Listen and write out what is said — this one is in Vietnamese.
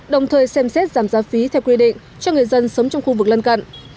đồng thời xem xét giảm giá phí theo quy định cho người dân sống trong khu vực lân cận